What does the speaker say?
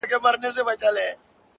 د دغه ښار ښکلي غزلي خیالوري غواړي,